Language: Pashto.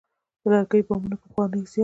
د لرګي بامونه پخوا زیات وو.